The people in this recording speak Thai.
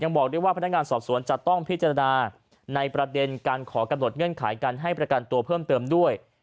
บอกด้วยว่าพนักงานสอบสวนจะต้องพิจารณาในประเด็นการขอกำหนดเงื่อนไขการให้ประกันตัวเพิ่มเติมด้วย